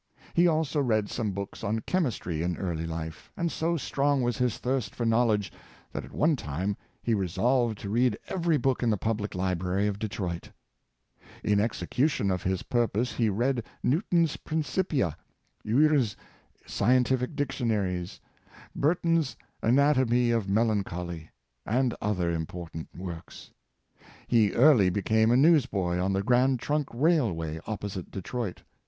He also read some books on chemistry in early life, and so strong was his thirst for knowledge that at one time he resolved to read every book in the public librar}^ of Detroit, In execution of his purpose he read New Thomas A, Edison, 183 ton's " Principia/' Ure's scientific dictionaries, Burton's '' Anatomy of Melancholy," and other important works. He early became a newsboy on the Grand Trunk rail way, opposite Detroit.